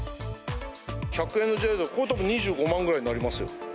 １００円の時代だったら、２５万ぐらいになりますよ。